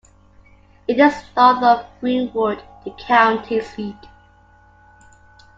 It is north of Greenwood, the county seat.